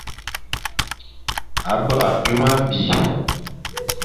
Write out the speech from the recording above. A be ye byôm abî,